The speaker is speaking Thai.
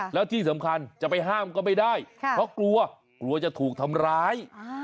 แล้วที่สำคัญจะไปห้ามก็ไม่ได้เพราะกลัวกลัวจะถูกทำร้าย